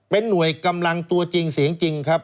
เป็นหน่วยกำลังตัวจริงเสียงจริงครับ